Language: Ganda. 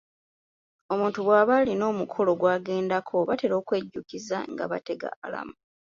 Omuntu bw'aba alina omukolo gw'agendako, batera okwejjukiza nga bategeka alamu.